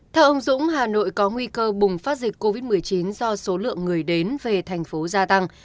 theo ông dũng hà nội có nguy cơ bùng phát dịch covid một mươi chín do số lượng người đến về thành phố gia tăng